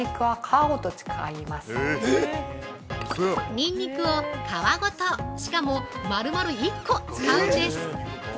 ◆ニンニクを皮ごとしかも、丸々１個使うんです。